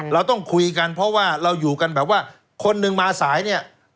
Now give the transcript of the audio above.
เราต้องคุยกันเพราะว่าเราอยู่กันแบบว่าคนหนึ่งมาสายเนี่ย